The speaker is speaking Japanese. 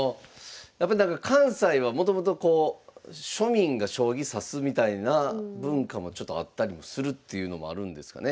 やっぱなんか関西はもともとこう庶民が将棋指すみたいな文化もちょっとあったりもするっていうのもあるんですかね。